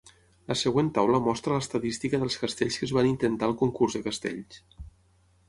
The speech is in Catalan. La següent taula mostra l'estadística dels castells que es van intentar al concurs de castells.